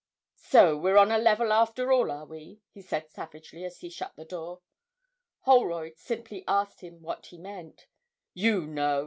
'So we're on a level after all, are we?' he said savagely, as he shut the door. Holroyd simply asked him what he meant. 'You know!'